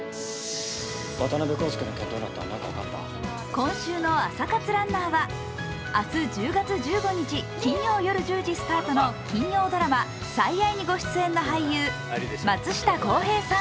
今週の朝活ランナーは明日１０月１５日金曜夜１０時スタートの金曜ドラマ「最愛」にご出演の俳優松下洸平さん。